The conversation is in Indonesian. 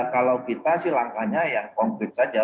kalau kita sih langkahnya yang konkret saja